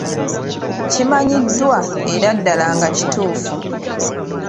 Kimanyiddwa era ddala nga kituufu.